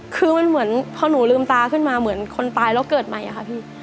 คือมันเหมือนพอหนูลืมตาขึ้นมาเหมือนคนตายแล้วเกิดใหม่อะค่ะพี่